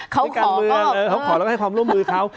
เขาขอไม่การเมื่อเออเขาขอแล้วก็ให้ความร่วมมือเขา